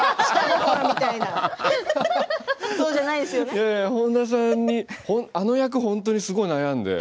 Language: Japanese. いやいや、本田さんにあの役、本当にすごい悩んで。